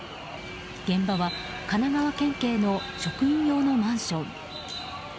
現場は神奈川県警の職員用のマンション。